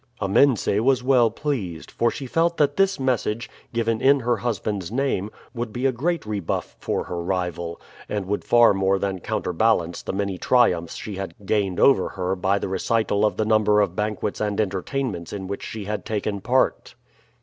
Amense was well pleased, for she felt that this message, given in her husband's name, would be a great rebuff for her rival, and would far more than counterbalance the many triumphs she had gained over her by the recital of the number of banquets and entertainments in which she had taken part.